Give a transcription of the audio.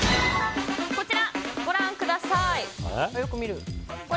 こちらご覧ください。